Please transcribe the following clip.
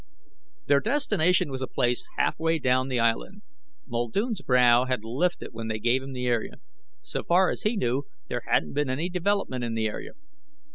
Their destination was a place halfway down the Island. Muldoon's brow had lifted when they gave him the area. So far as he knew there hadn't been any development in the area.